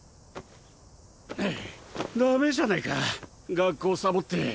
ダメじゃないか学校サボって。